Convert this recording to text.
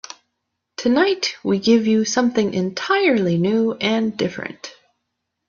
Tonight we give you something entirely new and different.